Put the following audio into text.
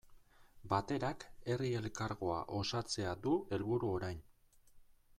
Baterak Herri Elkargoa osatzea du helburu orain.